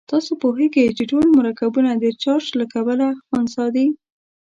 تاسې پوهیږئ چې ټول مرکبونه د چارج له کبله خنثی دي.